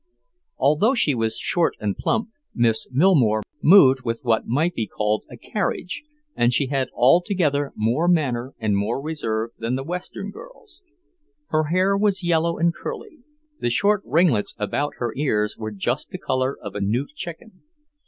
Although she was short and plump, Miss Millmore moved with what might be called a "carriage," and she had altogether more manner and more reserve than the Western girls. Her hair was yellow and curly, the short ringlets about her ears were just the colour of a new chicken.